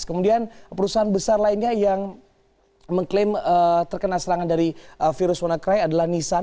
kemudian perusahaan besar lainnya yang mengklaim terkena serangan dari virus wannacry adalah nissan